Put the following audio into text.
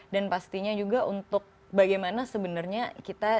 dan pastinya juga untuk bagaimana sebenarnya kita